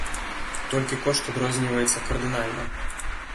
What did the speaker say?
Толькі кошт адрозніваецца кардынальна.